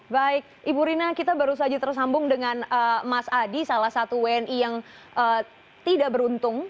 baik ibu rina kita baru saja tersambung dengan mas adi salah satu wni yang tidak beruntung